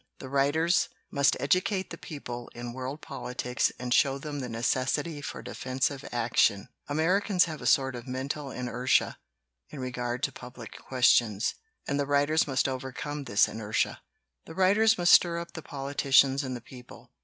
The writers must educate the people in world politics and show them the necessity for defensive action. Americans have a sort of men tal inertia in regard to public questions, and the writers must overcome this inertia. "The writers must stir up the politicians and the people.